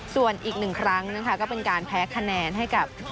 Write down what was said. ส่วนอีกหนึ่งครั้งนะคะก็เป็นการแพ้คะแนนให้กับ